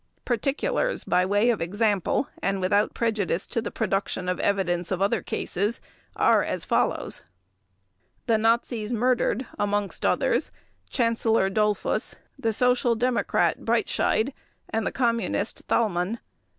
Particulars by way of example and without prejudice to the production of evidence of other cases are as follows: The Nazis murdered amongst others Chancellor Dollfuss, the Social Democrat Breitscheid, and the Communist Thälmann.